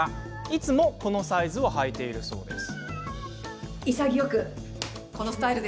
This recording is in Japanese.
いつもこのサイズをはいているそうです。